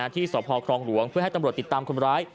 ที่สพครองหลวงเพื่อให้ตำรวจติดตามคนร้าย